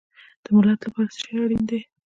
د ملت لپاره څه شی اړین دی؟